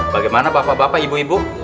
bagaimana bapak bapak ibu ibu